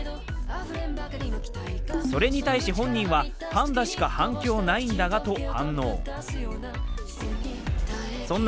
それに対し、本人はパンダしか反響ないんだがと応戦。